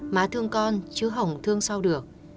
má thương con chứ hổng thương sao được